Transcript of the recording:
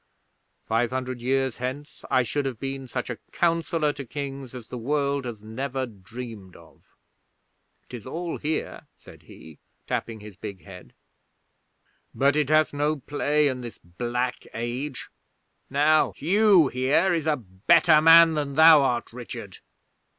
Five hundred years hence I should have been such a counsellor to Kings as the world hath never dreamed of. 'Tis all here," said he, tapping his big head, "but it hath no play in this black age. Now Hugh here is a better man than thou art, Richard."